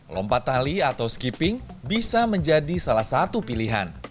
lompat tali atau skipping bisa menjadi salah satu pilihan